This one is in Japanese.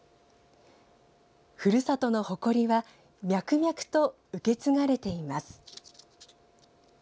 ふるさとの誇りは脈々と受け継がれています。